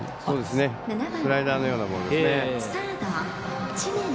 スライダーのようなボールですね。